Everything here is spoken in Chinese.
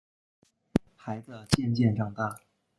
孩子渐渐长大